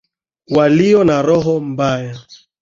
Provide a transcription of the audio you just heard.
Walio na roho mbaya.